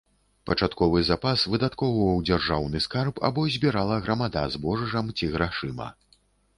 Пачатковы запас выдаткоўваў дзяржаўны скарб або збірала грамада збожжам ці грашыма.